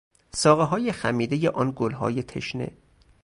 ساقههای خمیدهی آن گلهای تشنه